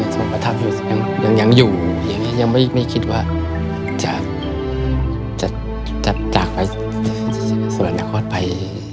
สวัสดีครอบครับ